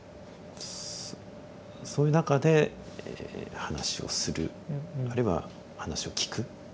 そういう中で話をするあるいは話を聞く